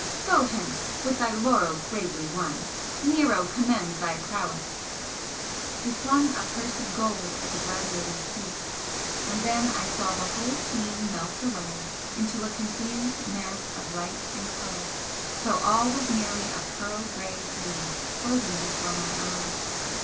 Go hence, with thy laurels bravely won! Nero commends thy prowess!" He flung a purse of gold at the gladiator's feet and then I saw the whole scene melt away into a confused mass of light and colour till all was merely a pearl grey haze floating before my eyes.